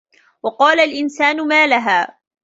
وَقالَ الإِنسانُ ما لَها